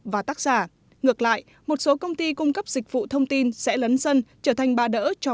và tác giả ngược lại một số công ty cung cấp dịch vụ thông tin sẽ lấn sân trở thành ba đỡ cho